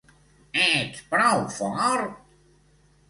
Ets prou fort?